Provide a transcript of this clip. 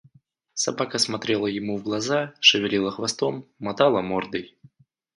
Собака смотрела ему в глаза, шевелила хвостом, мотала мордой.